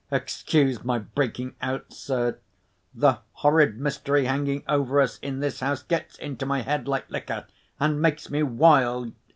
Excuse my breaking out, sir. The horrid mystery hanging over us in this house gets into my head like liquor, and makes me wild.